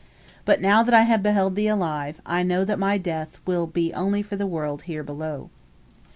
But now that I have beheld thee alive, I know that my death will be only for the world here below."